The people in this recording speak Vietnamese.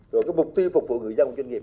rồi cái mục tiêu phục vụ người dân doanh nghiệp